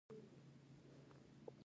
د زړه دنده څه ده؟